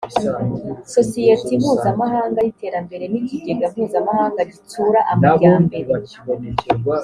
sosiyeti mpuzamahanga y iterambere n ikigega mpuzamahanga gitsura amajyambere